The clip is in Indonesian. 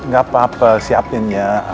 gak apa apa siapin ya